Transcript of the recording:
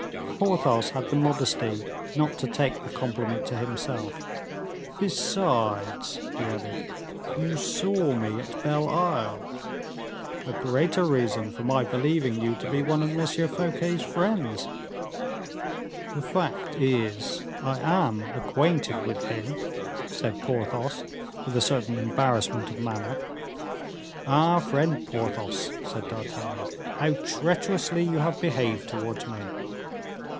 Porthos had the modesty not to take the compliment to himself. "Besides," he added, "you saw me at Belle Isle." "A greater reason for my believing you to be one of M. Fouquet's friends." "The fact is, I am acquainted with him," said Porthos, with a certain embarrassment of manner. "Ah, friend Porthos," said D'Artagnan, "how treacherously you have behaved towards me."